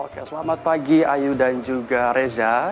oke selamat pagi ayu dan juga reza